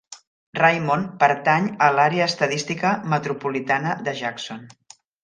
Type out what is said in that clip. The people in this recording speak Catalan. Raymond pertany a l'àrea estadística metropolitana de Jackson.